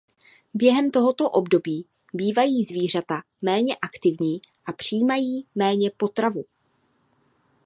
Během tohoto období bývají zvířata méně aktivní a přijímají méně potravu.